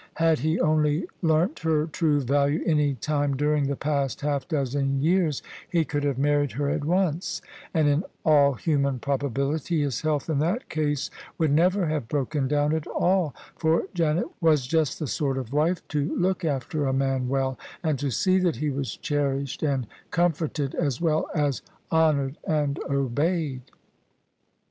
Had he only learnt her true value any time during the past half dozen years, he could have married her at once; and in all human probability his health in that case would never have broken down at all, for Janet was just the sort of wife to look after a man well, and to see that he was cherished and OF ISABEL CARNABY comforted as well as honoured and obeyed.